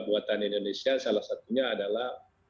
buatan indonesia salah satunya adalah